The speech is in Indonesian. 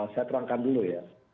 saya terangkan dulu ya